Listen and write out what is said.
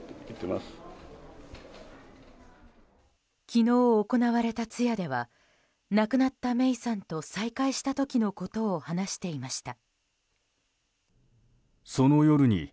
昨日行われた通夜では亡くなった芽生さんと再会した時のことを話していました。